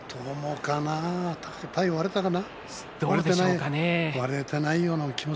体が割れたかな？